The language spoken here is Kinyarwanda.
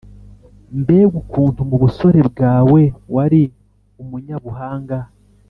Mbega ukuntu mu busore bwawe wari umunyabuhanga,